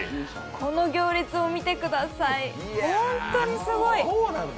この行列を見てください、本当にすごい。